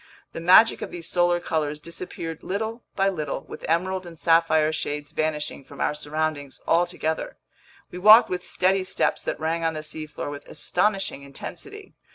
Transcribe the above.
The magic of these solar colors disappeared little by little, with emerald and sapphire shades vanishing from our surroundings altogether. We walked with steady steps that rang on the seafloor with astonishing intensity.